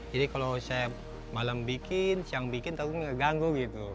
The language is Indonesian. jadi kalau saya malam bikin siang bikin terlalu mengganggu